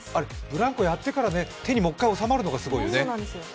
ブランコやってからね手にもう一回収まるのがすごいよね。